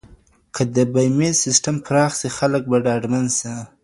که د بيمې سيستم پراخ سي خلګ به ډاډمن سي.